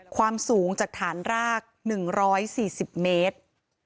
ความสูงจากฐานราก๑๔๐เมตร